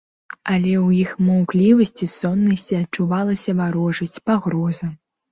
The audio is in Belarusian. Але ў іх маўклівасці, соннасці адчувалася варожасць, пагроза.